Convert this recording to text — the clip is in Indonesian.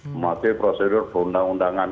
mematuhi prosedur undang undangan